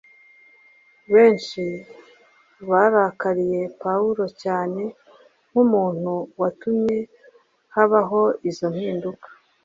benshi barakariye Pawulo cyane nk’umuntu watumye habaho izo mpinduka.